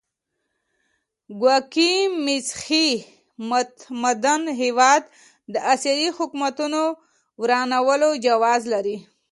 ګواکې مسیحي متمدن هېواد د اسیایي حکومتونو ورانولو جواز لري.